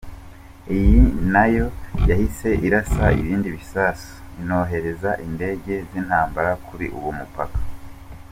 Iyi nayo yahise irasa ibindi bisasu inohereza indege z’intambara kuri uwo mupaka.